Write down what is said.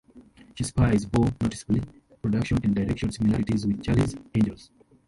"She Spies" bore noticeable production and direction similarities with "Charlie's Angels.